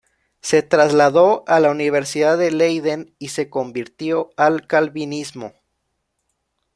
Se trasladó a la Universidad de Leiden y se convirtió al calvinismo.